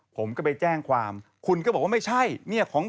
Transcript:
ผมก็ไปแจ้งความคุณก็บอกว่าไม่ใช่